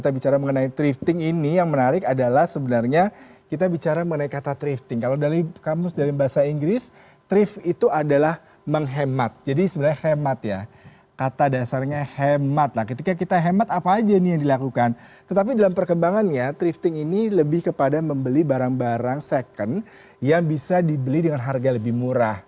barang second yang bisa dibeli dengan harga lebih murah